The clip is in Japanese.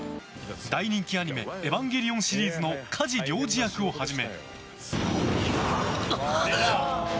大人気アニメ「エヴァンゲリオン」シリーズの加持リョウジ役をはじめ。